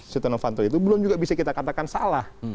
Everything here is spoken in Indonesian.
setia novanto itu belum juga bisa kita katakan salah